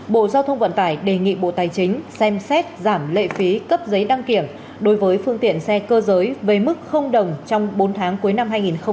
bộ giao thông vận tải đề nghị bộ tài chính xem xét giảm lệ phí cấp giấy đăng kiểm đối với phương tiện xe cơ giới với mức đồng trong bốn tháng cuối năm hai nghìn hai mươi